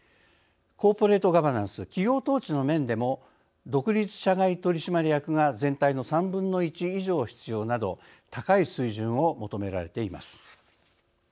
コーポレートガバナンス企業統治の面でも独立社外取締役が全体の３分の１以上必要など高い水準を求められています。